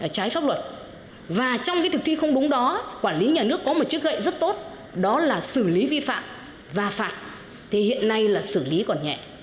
trái pháp luật và trong thực thi không đúng đó quản lý nhà nước có một chức gậy rất tốt đó là xử lý vi phạm và phạt thì hiện nay là xử lý còn nhẹ